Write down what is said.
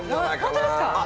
本当ですか？